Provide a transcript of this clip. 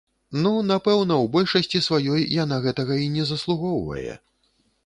Ну, напэўна, у большасці сваёй яна гэтага і не заслугоўвае.